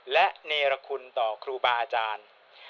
และเนรคุณต่อครูบาอาจารย์